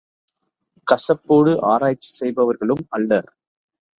கசப்போடு ஆராய்ச்சி செய்பவர்களும் அல்லர்.